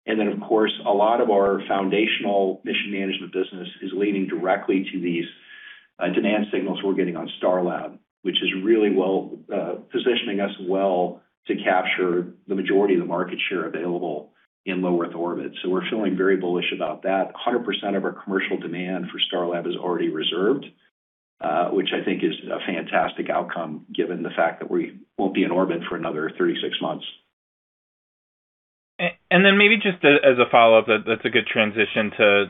Then of course, a lot of our foundational mission management business is leading directly to these demand signals we're getting on Starlab, which is really well positioning us well to capture the majority of the market share available in low-Earth orbit. We're feeling very bullish about that. 100% of our commercial demand for Starlab is already reserved, which I think is a fantastic outcome given the fact that we won't be in orbit for another 36 months. Maybe just as a follow-up, that's a good transition to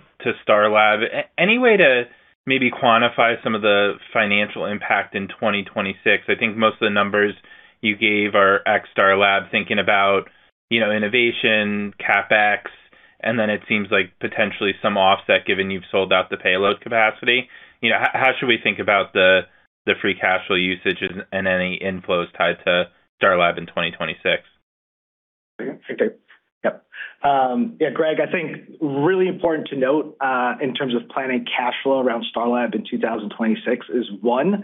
Starlab. Any way to maybe quantify some of the financial impact in 2026? I think most of the numbers you gave are ex Starlab, thinking about, you know, innovation, CapEx, and then it seems like potentially some offset given you've sold out the payload capacity. You know, how should we think about the free cash flow usage and any inflows tied to Starlab in 2026? Yeah. Yep. Yeah, Greg, I think really important to note, in terms of planning cash flow around Starlab in 2026 is one,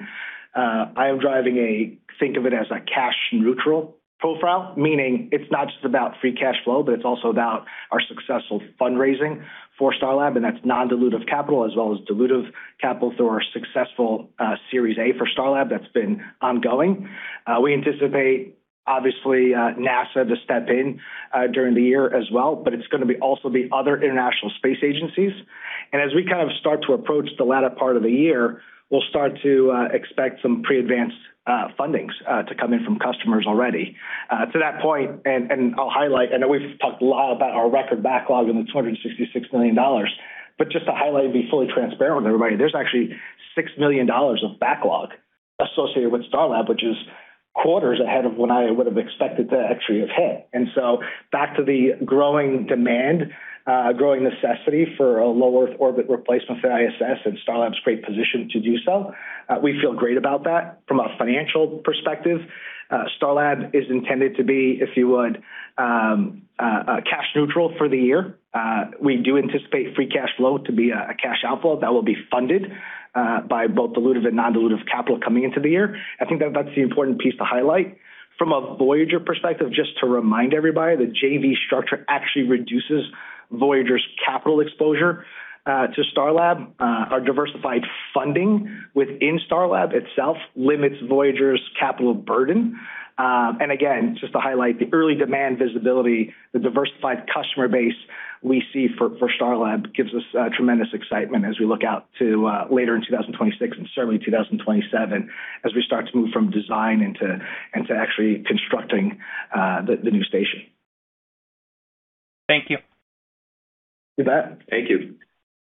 I am driving at, think of it as a cash neutral profile, meaning it's not just about free cash flow, but it's also about our successful fundraising for Starlab, and that's non-dilutive capital as well as dilutive capital through our successful, Series A for Starlab that's been ongoing. We anticipate obviously, NASA to step in, during the year as well, but it's gonna be also other international space agencies. As we kind of start to approach the latter part of the year, we'll start to, expect some pre-advance, fundings, to come in from customers already. To that point, I'll highlight. I know we've talked a lot about our record backlog and the $266 million, but just to highlight and be fully transparent with everybody, there's actually $6 million of backlog associated with Starlab, which is quarters ahead of when I would have expected to actually have hit. Back to the growing demand, growing necessity for a Low Earth Orbit replacement for ISS and Starlab's great position to do so. We feel great about that from a financial perspective. Starlab is intended to be, if you would, cash neutral for the year. We do anticipate free cash flow to be a cash outflow that will be funded by both dilutive and non-dilutive capital coming into the year. I think that's the important piece to highlight. From a Voyager perspective, just to remind everybody, the JV structure actually reduces Voyager's capital exposure to Starlab. Our diversified funding within Starlab itself limits Voyager's capital burden. Again, just to highlight the early demand visibility, the diversified customer base we see for Starlab gives us tremendous excitement as we look out to later in 2026 and certainly 2027, as we start to move from design into actually constructing the new station. Thank you. You bet. Thank you.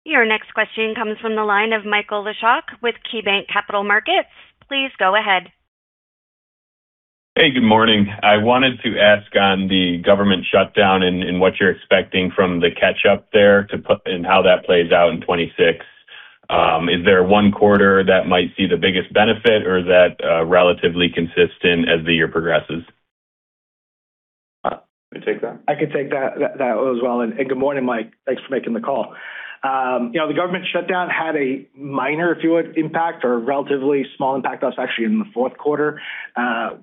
Your next question comes from the line of Michael Leshock with KeyBanc Capital Markets. Please go ahead. Hey, good morning. I wanted to ask on the government shutdown and what you're expecting from the catch-up there and how that plays out in 2026. Is there one quarter that might see the biggest benefit or is that relatively consistent as the year progresses? I can take that. I can take that as well. Good morning, Mike. Thanks for making the call. You know, the government shutdown had a minor, if you would, impact or relatively small impact on us actually in the fourth quarter.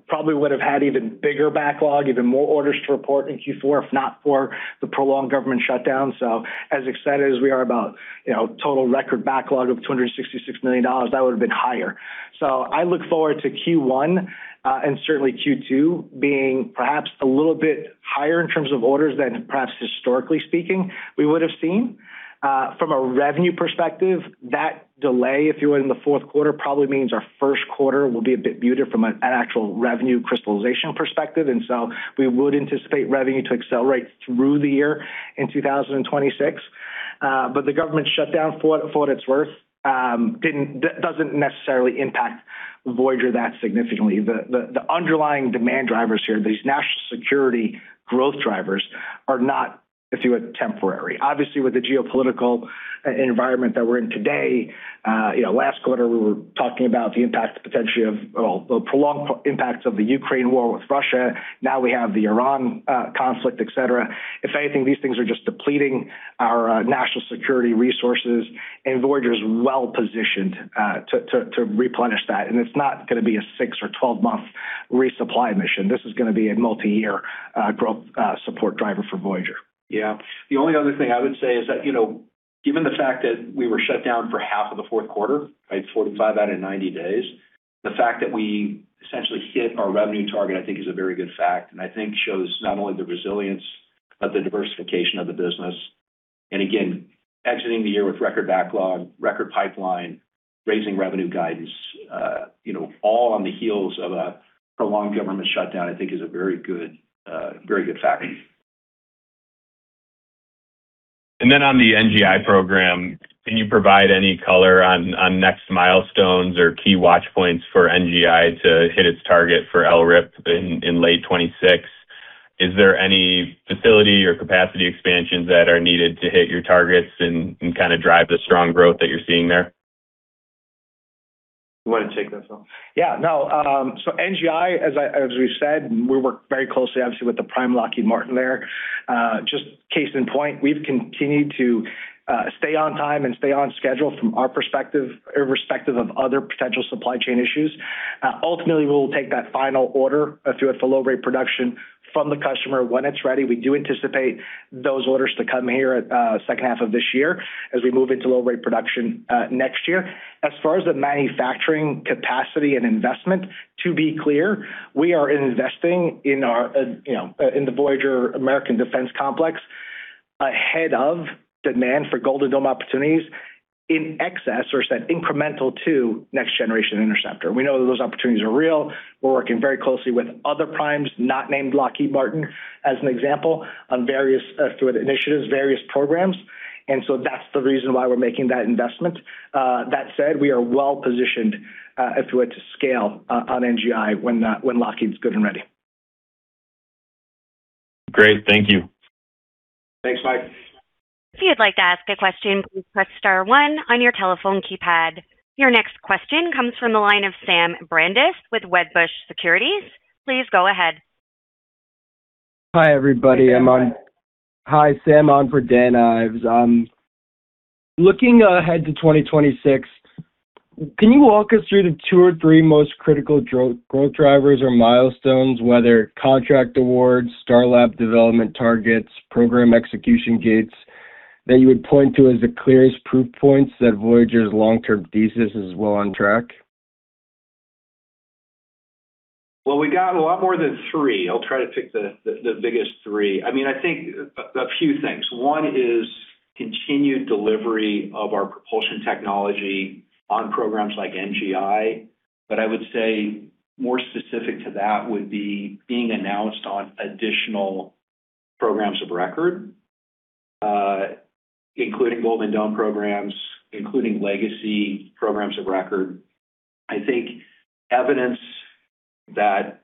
Probably would have had even bigger backlog, even more orders to report in Q4, if not for the prolonged government shutdown. As excited as we are about, you know, total record backlog of $266 million, that would have been higher. I look forward to Q1 and certainly Q2 being perhaps a little bit higher in terms of orders than perhaps historically speaking we would have seen. From a revenue perspective, that delay, if you would, in the fourth quarter probably means our first quarter will be a bit muted from an actual revenue crystallization perspective. We would anticipate revenue to accelerate through the year in 2026. The government shutdown, for what it's worth, doesn't necessarily impact Voyager that significantly. The underlying demand drivers here, these national security growth drivers are not, if you would, temporary. Obviously, with the geopolitical environment that we're in today, you know, last quarter, we were talking about the impact potentially of, well, the prolonged impact of the Ukraine war with Russia. Now we have the Iran conflict, et cetera. If anything, these things are just depleting our national security resources, and Voyager is well-positioned to replenish that. It's not gonna be a six- or 12-month resupply mission. This is gonna be a multi-year growth support driver for Voyager. Yeah. The only other thing I would say is that, you know, given the fact that we were shut down for half of the fourth quarter, right, 45 out of 90 days, the fact that we essentially hit our revenue target, I think is a very good fact, and I think shows not only the resilience of the diversification of the business and again, exiting the year with record backlog, record pipeline, raising revenue guidance, you know, all on the heels of a prolonged government shutdown, I think is a very good, very good fact. Then on the NGI program, can you provide any color on next milestones or key watch points for NGI to hit its target for LRIP in late 2026? Is there any facility or capacity expansions that are needed to hit your targets and kind of drive the strong growth that you're seeing there? You want to take this one? Yeah. No. NGI, as we've said, we work very closely obviously with the prime Lockheed Martin there. Just a case in point, we've continued to stay on time and stay on schedule from our perspective, irrespective of other potential supply chain issues. Ultimately, we will take that final order, if you would, for low rate production from the customer when it's ready. We do anticipate those orders to come in the second half of this year as we move into low rate production next year. As far as the manufacturing capacity and investment, to be clear, we are investing in the Voyager American Defense Complex ahead of demand for Golden Dome opportunities in excess or I should say incremental to Next Generation Interceptor. We know those opportunities are real. We're working very closely with other primes not named Lockheed Martin as an example, on various, if you would, initiatives, various programs. That's the reason why we're making that investment. That said, we are well-positioned, if you would, to scale on NGI when Lockheed is good and ready. Great. Thank you. Thanks, Mike. If you'd like to ask a question, please press star one on your telephone keypad. Your next question comes from the line of Sam Brandeis with Wedbush Securities. Please go ahead. Hi, everybody. Hey, Sam. Hi, Sam on for Dan Ives. Looking ahead to 2026, can you walk us through the two or three most critical growth drivers or milestones, whether contract awards, Starlab development targets, program execution gates, that you would point to as the clearest proof points that Voyager's long-term thesis is well on track? Well, we got a lot more than three. I'll try to pick the biggest three. I mean, I think a few things. One is continued delivery of our propulsion technology on programs like NGI. I would say more specific to that would be being announced on additional programs of record, including Golden Dome programs, including legacy programs of record. I think evidence that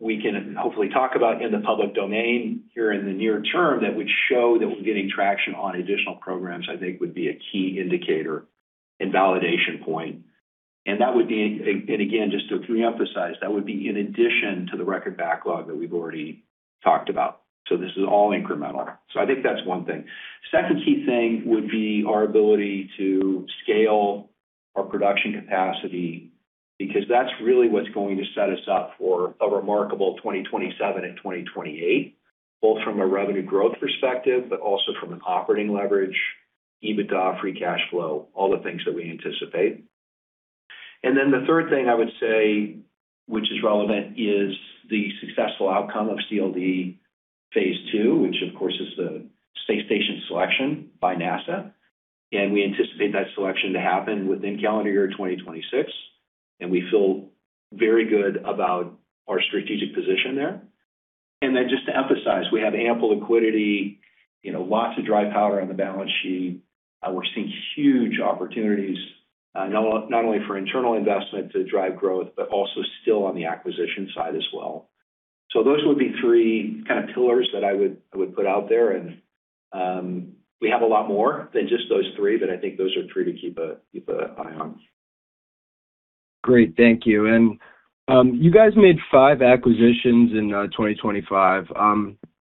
we can hopefully talk about in the public domain here in the near term that would show that we're getting traction on additional programs, I think would be a key indicator and validation point. That would be, and again, just to re-emphasize, that would be in addition to the record backlog that we've already talked about. This is all incremental. I think that's one thing. Second key thing would be our ability to scale our production capacity, because that's really what's going to set us up for a remarkable 2027 and 2028, both from a revenue growth perspective, but also from an operating leverage, EBITDA, free cash flow, all the things that we anticipate. The third thing I would say which is relevant is the successful outcome of CLD Phase 2, which of course is the Space Station selection by NASA. We anticipate that selection to happen within calendar year 2026, and we feel very good about our strategic position there. Just to emphasize, we have ample liquidity, you know, lots of dry powder on the balance sheet. We're seeing huge opportunities, not only for internal investment to drive growth, but also still on the acquisition side as well. Those would be three kind of pillars that I would put out there and we have a lot more than just those three, but I think those are three to keep an eye on. Great. Thank you. You guys made five acquisitions in 2025.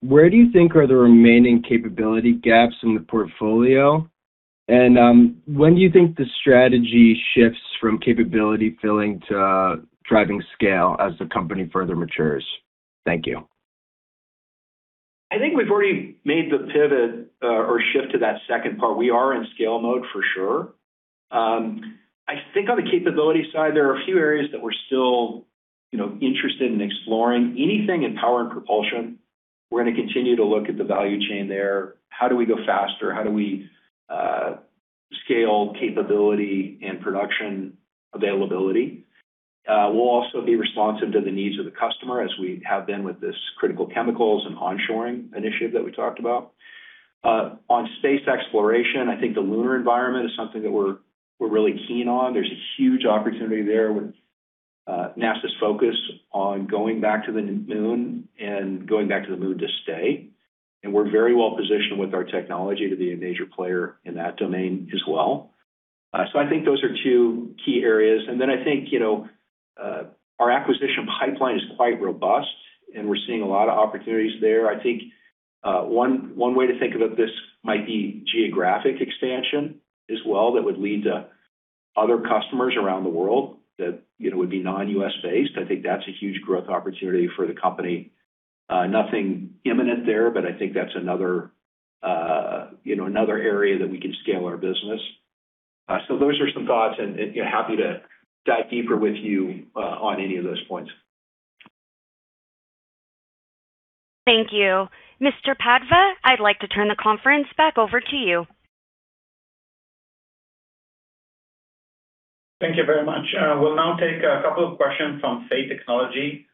Where do you think are the remaining capability gaps in the portfolio? When do you think the strategy shifts from capability filling to driving scale as the company further matures? Thank you. I think we've already made the pivot or shift to that second part. We are in scale mode for sure. I think on the capability side, there are a few areas that we're still, you know, interested in exploring. Anything in power and propulsion, we're gonna continue to look at the value chain there. How do we go faster? How do we scale capability and production availability? We'll also be responsive to the needs of the customer as we have been with this critical chemicals and onshoring initiative that we talked about. On space exploration, I think the Lunar environment is something that we're really keen on. There's a huge opportunity there with NASA's focus on going back to the moon and going back to the moon to stay. We're very well positioned with our technology to be a major player in that domain as well. I think those are two key areas. I think, you know, our acquisition pipeline is quite robust, and we're seeing a lot of opportunities there. I think, one way to think about this might be geographic expansion as well that would lead to other customers around the world that, you know, would be non-U.S.-based. I think that's a huge growth opportunity for the company. Nothing imminent there, but I think that's another, you know, another area that we can scale our business. Those are some thoughts and, you know, happy to dive deeper with you on any of those points. Thank you. Mr. Padva, I'd like to turn the conference back over to you. Thank you very much. We'll now take a couple of questions from Say Technologies.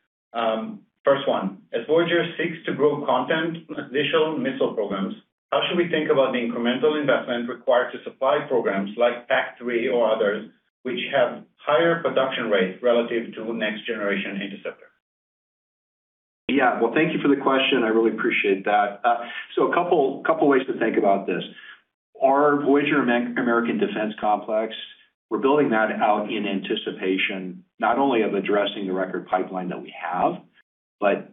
First one. As Voyager seeks to grow content on additional missile programs, how should we think about the incremental investment required to supply programs like PAC-3 or others which have higher production rates relative to Next Generation Interceptor? Yeah. Well, thank you for the question. I really appreciate that. A couple ways to think about this. Our Voyager American Defense Complex, we're building that out in anticipation not only of addressing the record pipeline that we have, but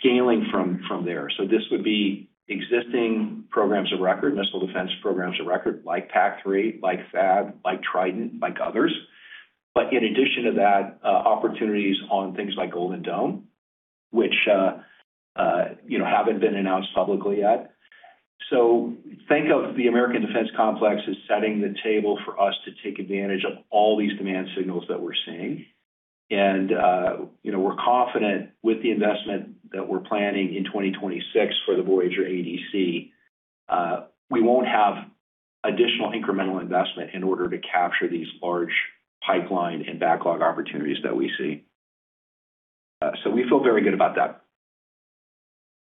scaling from there. This would be existing programs of record, missile defense programs of record like PAC-3, like THAAD, like Trident, like others. In addition to that, opportunities on things like Golden Dome, which you know, haven't been announced publicly yet. Think of the American Defense Complex as setting the table for us to take advantage of all these demand signals that we're seeing. You know, we're confident with the investment that we're planning in 2026 for the Voyager ADC. We won't have additional incremental investment in order to capture these large pipeline and backlog opportunities that we see. We feel very good about that.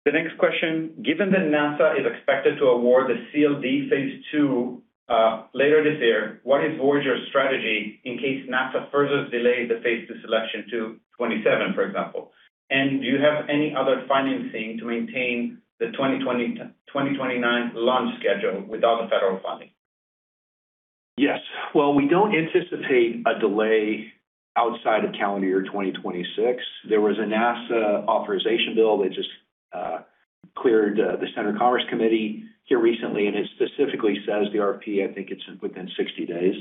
The next question. Given that NASA is expected to award the CLD Phase 2 later this year, what is Voyager's strategy in case NASA further delays the Phase 2 selection to 2027, for example? Do you have any other financing to maintain the 2029 launch schedule without the federal funding? Yes. Well, we don't anticipate a delay outside of calendar year 2026. There was a NASA authorization bill that just cleared the Senate Commerce Committee here recently, and it specifically says the RFP, I think it's within 60 days.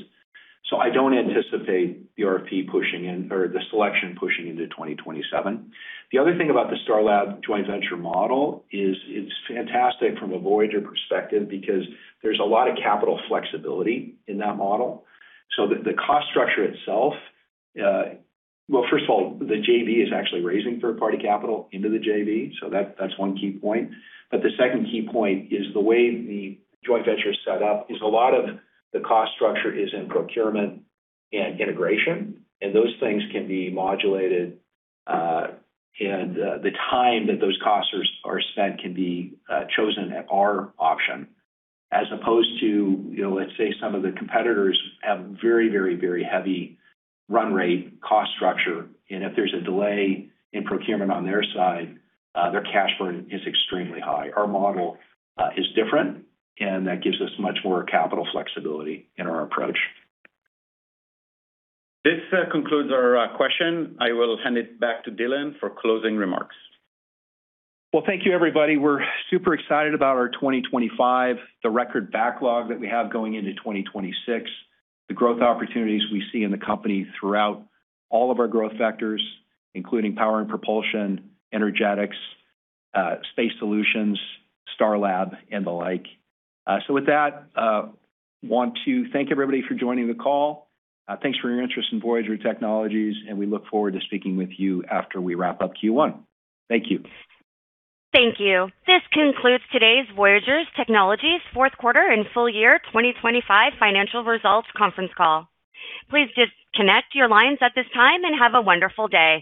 So I don't anticipate the RFP pushing in or the selection pushing into 2027. The other thing about the Starlab joint venture model is it's fantastic from a Voyager perspective because there's a lot of capital flexibility in that model. So the cost structure itself. Well, first of all, the JV is actually raising third-party capital into the JV, so that's one key point. The second key point is the way the joint venture is set up is a lot of the cost structure is in procurement and integration, and those things can be modulated, and the time that those costs are spent can be chosen at our option, as opposed to, you know, let's say some of the competitors have very heavy run rate cost structure. If there's a delay in procurement on their side, their cash burn is extremely high. Our model is different, and that gives us much more capital flexibility in our approach. This concludes our question. I will hand it back to Dylan for closing remarks. Well, thank you everybody. We're super excited about our 2025, the record backlog that we have going into 2026, the growth opportunities we see in the company throughout all of our growth vectors, including power and propulsion, energetics, Space Solutions, Starlab, and the like. With that, want to thank everybody for joining the call. Thanks for your interest in Voyager Technologies, and we look forward to speaking with you after we wrap up Q1. Thank you. Thank you. This concludes today's Voyager Technologies fourth quarter and full year 2025 financial results conference call. Please disconnect your lines at this time, and have a wonderful day.